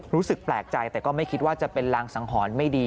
รู้สึกแปลกใจแต่ก็ไม่คิดว่าจะเป็นรางสังหรณ์ไม่ดี